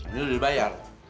ini udah dibayar